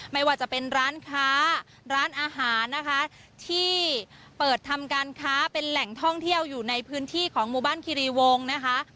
ไม่ว่าจะเป็นร้านค้าร้านอาหารนะคะที่เปิดทำการค้าเป็นแหล่งท่องเที่ยวอยู่ในพื้นที่ของหมู่บ้านคิรีวงนะคะ